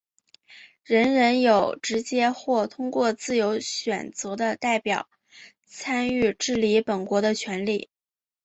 人人有直接或通过自由选择的代表参与治理本国的权利。